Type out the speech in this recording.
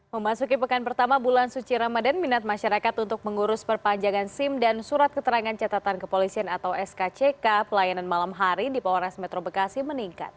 memasuki pekan pertama bulan suci ramadan minat masyarakat untuk mengurus perpanjangan sim dan surat keterangan catatan kepolisian atau skck pelayanan malam hari di polres metro bekasi meningkat